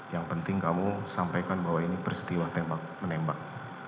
yang penting kamu sampaikan bahwa ini peristiwa tembak menembak